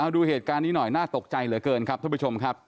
ดูเหตุการณ์นี้หน่อยน่าตกใจเหลือเกินครับท่านผู้ชมครับ